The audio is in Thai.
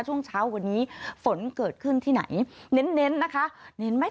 ช่วงเช้าวันนี้ฝนเกิดขึ้นที่ไหนเน้นเน้นนะคะเน้นไหม